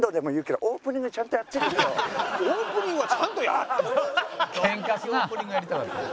どんだけオープニングやりたかったの？